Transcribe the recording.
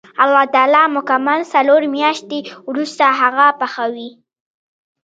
الله تعالی مکمل څلور میاشتې وروسته هغه پخوي.